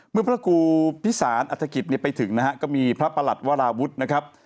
เมื่อพระครูพิสารอัฐกิจไปถึงนะฮะก็มีพระประหลัดวราวุฒินะครับ